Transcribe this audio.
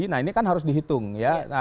nah ini kan harus dihitung ya